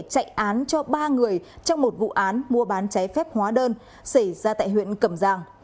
trong một vụ án mua bán trái phép hóa đơn xảy ra tại huyện cẩm giang